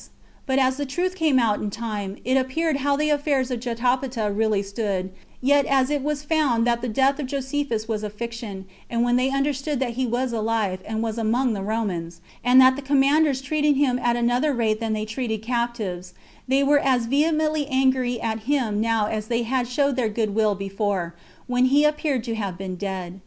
But as the truth came out in time, it appeared how the affairs of Jotapata really stood; yet was it found that the death of Josephus was a fiction; and when they understood that he was alive, and was among the Romans, and that the commanders treated him at another rate than they treated captives, they were as vehemently angry at him now as they had showed their good will before, when he appeared to have been dead.